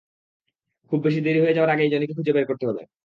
খুব বেশী দেরী হয়ে যাওয়ার আগেই জনিকে খুঁজে বের করতে হবে।